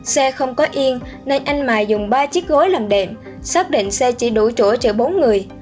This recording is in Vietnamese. xe không có yên nên anh mà dùng ba chiếc gối làm đệm xác định xe chỉ đủ chỗ cho bốn người